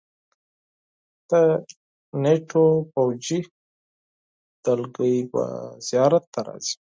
د ناټو پوځي دلګۍ به زیارت ته راځي.